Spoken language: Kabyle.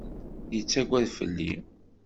Yettagad fell-i.